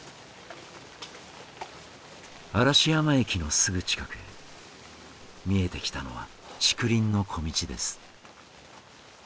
嵐山駅のすぐ近く見えてきたのは竹林の小径です。